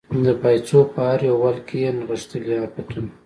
د پایڅو په هر یو ول کې یې نغښتلي عفتونه